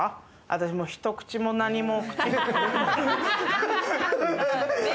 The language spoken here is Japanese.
私もう一口も何も。